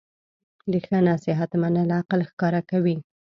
د ښه نصیحت منل عقل ښکاره کوي.